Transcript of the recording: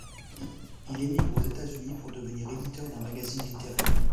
Il émigre aux États-Unis pour devenir éditeur d'un magazine littéraire.